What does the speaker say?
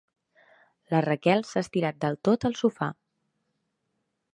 La Raquel s'ha estirat del tot al sofà.